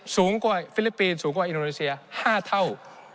สูงกว่าฟิลิปปินส์สูงกว่าอินโดนีเซีย๕เท่า